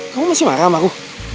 kamu masih marah sama aku